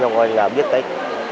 nói là biết cách